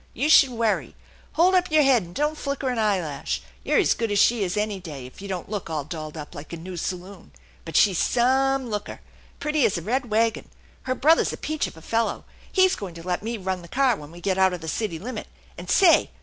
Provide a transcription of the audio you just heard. You should worry ! Hold up your head, and don't flicker an eyelash. You're as good as she is any day, if you don't look all dolled up like a new saloon. But she's some looker! Pretty as a red wagon! Her brother's a peach of a fellow, "He's going to let me run the car when we get out of the city limit; and say!